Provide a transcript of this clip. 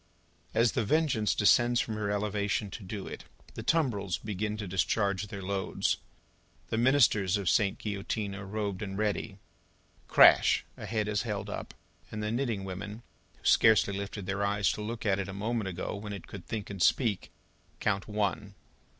As The Vengeance descends from her elevation to do it, the tumbrils begin to discharge their loads. The ministers of Sainte Guillotine are robed and ready. Crash! A head is held up, and the knitting women who scarcely lifted their eyes to look at it a moment ago when it could think and speak, count One.